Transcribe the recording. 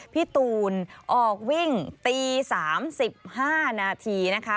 พี่ตูนออกวิ่งตี๓๕นาทีนะคะ